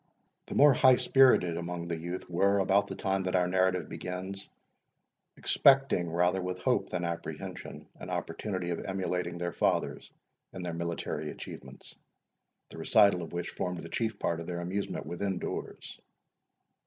The more high spirited among the youth were, about the time that our narrative begins, expecting, rather with hope than apprehension, an opportunity of emulating their fathers in their military achievements, the recital of which formed the chief part of their amusement within doors.